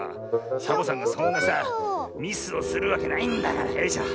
サボさんがそんなさミスをするわけないんだからよいしょ。